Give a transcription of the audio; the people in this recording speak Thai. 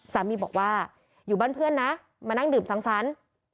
สามีบอกว่าอยู่บ้านเพื่อนนะมานั่งดื่มสังสรรค์